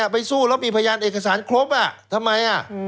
ไปสู้แล้วมีพยานเอกสารครบทำไม